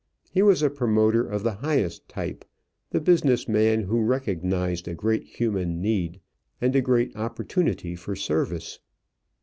He was a promoter of the highest type, the business man who recognized a great human need and a great opportunity for service.